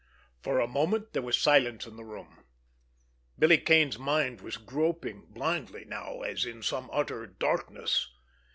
For a moment there was silence in the room. Billy Kane's mind was groping blindly now, as in some utter darkness.